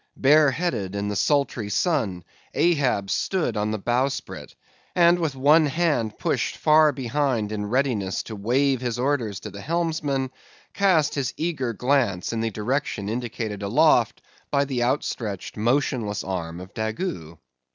Bare headed in the sultry sun, Ahab stood on the bowsprit, and with one hand pushed far behind in readiness to wave his orders to the helmsman, cast his eager glance in the direction indicated aloft by the outstretched motionless arm of Daggoo.